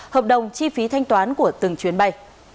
hợp đồng chi phí thanh toán của từng chuyến bay